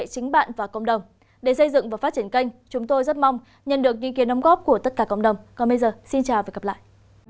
xin chào và hẹn gặp lại